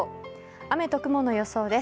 雨と雲の予想です。